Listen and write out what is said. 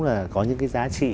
là có những cái giá trị